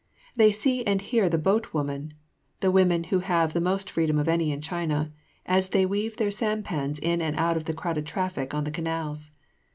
They see and hear the boat women, the women who have the most freedom of any in all China, as they weave their sampans in and out of the crowded traffic on the canals.